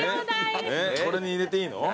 これに入れていいの？